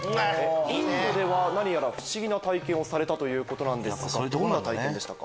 インドでは何やら不思議な体験をされたということですがどんな体験でしたか？